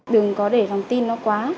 đừng có để thông tin nó quá